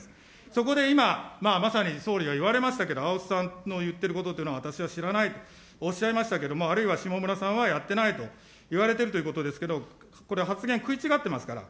そこで今、まさに総理が言われましたけれども、青津さんの言っていることは私は知らないとおっしゃいましたけども、あるいは下村さんはやってないと言われてるということですけれども、これ、発言食い違ってますから。